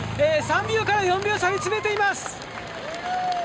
３秒から４秒差に詰めています。